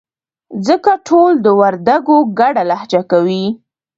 ځکه ټول د وردگو گډه لهجه کوي.